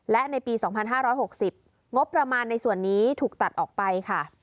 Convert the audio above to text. และในปี๒๕๖๐งบประมาณในส่วนนี้ถูกตัดออกไปค่ะ